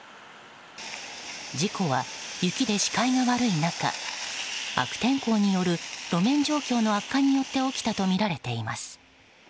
事故は雪で視界が悪い中悪天候による路面状況の悪化によって起きたとみられています。